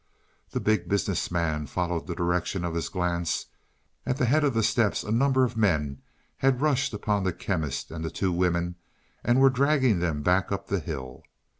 The Big Business Man followed the direction of his glance; at the head of the steps a number of men had rushed upon the Chemist and the two women, and were dragging them back up the hill.